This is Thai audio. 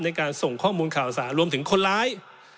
ในการส่งข้อมูลข่าวสารรวมถึงคนร้าย